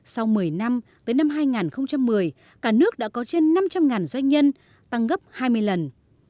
sau một mươi năm tới năm hai nghìn một mươi cả nước đã có trên năm trăm linh doanh nhân tăng gấp hai mươi lần